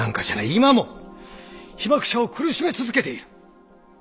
今も被爆者を苦しめ続けている。